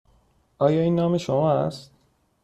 آیا این نام شما است؟